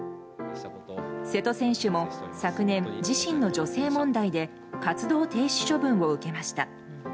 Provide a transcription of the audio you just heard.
瀬戸選手も昨年自身の女性問題で活動停止処分を受けました。